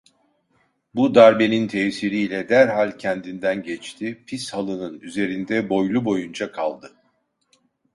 Bu darbenin tesiriyle derhal kendinden geçti, pis halının üzerinde boylu boyunca kaldı.